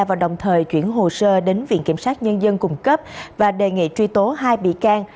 và đồng thời chuyển hồ sơ đến viện kiểm sát nhân dân cung cấp và đề nghị truy tố hai bị can